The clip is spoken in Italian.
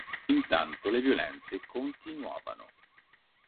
Intanto le violenze continuavano.